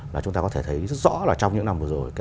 là chúng ta có thể thấy rất rõ là trong những năm vừa rồi